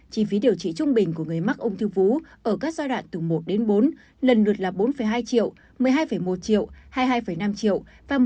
chi phí điều trị trung bình của người mắc ung thư vú ở các giai đoạn từ một bốn lần lượt là bốn hai triệu một mươi hai một triệu hai mươi hai năm triệu và một mươi bảy bảy triệu